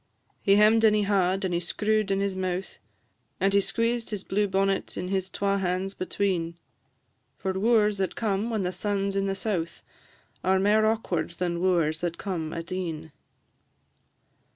He hem'd and he haw'd, and he screw'd in his mouth, And he squeezed his blue bonnet his twa hands between; For wooers that come when the sun 's in the south Are mair awkward than wooers that come at e'en.